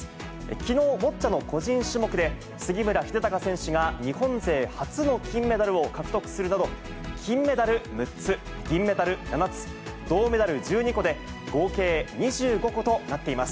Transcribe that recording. きのう、ボッチャの個人種目で杉村英孝選手が日本勢初の金メダルを獲得するなど、金メダル６つ、銀メダル７つ、銅メダル１２個で、合計２５個となっています。